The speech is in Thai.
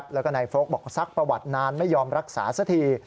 แล้วก็นายโฟลกบอกซักประวัตินานไม่ยอมรักษาสักที